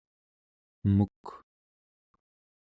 emuk